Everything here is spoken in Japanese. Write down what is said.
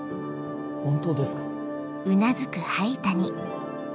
本当ですか。